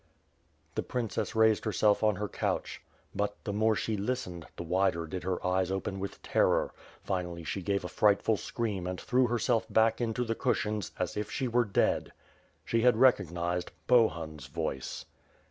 The princess raised herself on her couch, but, the more she listened, the wider did her eyes open with terror — finally she gave a frightful scream and threw herself back into the cushions, as if she were dead. She had recognized Bohun's voice.